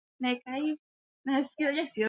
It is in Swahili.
Gari langu kuja